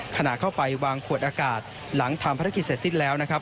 ขณะเข้าไปวางขวดอากาศหลังทำภารกิจเสร็จสิ้นแล้วนะครับ